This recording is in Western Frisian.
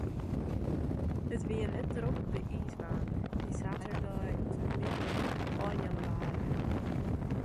It wie net drok op de iisbaan, dy saterdeitemiddeis ein jannewaarje.